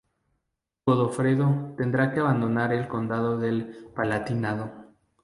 Godofredo tendrá que abandonar el condado del Palatinado.